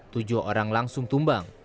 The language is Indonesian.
tujuh orang langsung tumbang